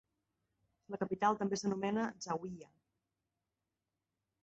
La capital també s'anomena Zawiya.